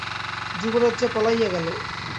যুবরাজ যে পলাইয়া গেল।